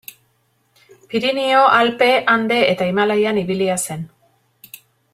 Pirinio, Alpe, Ande eta Himalaian ibilia zen.